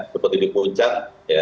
seperti di puncak